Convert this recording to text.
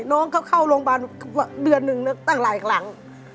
น้องเขาเข้าโรงพยาบาลเดือนหนึ่งตั้งหลายครั้ง